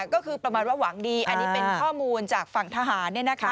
ก็คือประมาณว่าหวังดีอันนี้เป็นข้อมูลจากฝั่งทหาร